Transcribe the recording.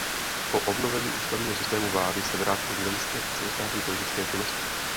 Po obnovení ústavního systému vlády se vrátil k zemské i celostátní politické činnosti.